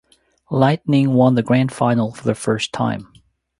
Lightning won the Grand Final for the first time.